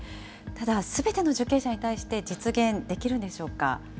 ただ、すべての受刑者に対して実現できるんでしょうか。